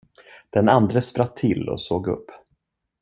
Den andre spratt till och såg upp.